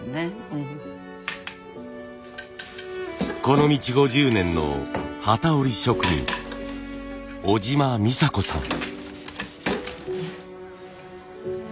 この道５０年の機織り職人小島美佐子さん。